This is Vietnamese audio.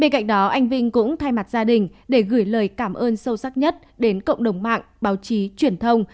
cạnh đó anh vinh cũng thay mặt gia đình để gửi lời cảm ơn sâu sắc nhất đến cộng đồng mạng báo chí truyền thông